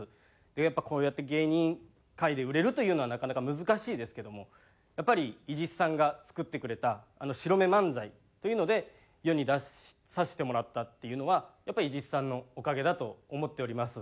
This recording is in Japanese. やっぱこうやって芸人界で売れるというのはなかなか難しいですけどもやっぱり伊地知さんが作ってくれたあの白目漫才というので世に出させてもらったっていうのはやっぱり伊地知さんのおかげだと思っております。